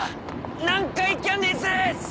南海キャンディーズです！